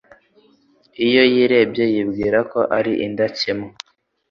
Iyo yirebye yibwira ko ari indakemwa